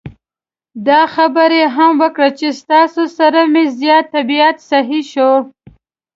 دا خبره یې هم وکړه چې ستاسو سره مې زیات طبعیت سهی شو.